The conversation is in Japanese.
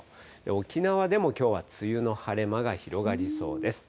沖縄でもきょうは梅雨の晴れ間が広がりそうです。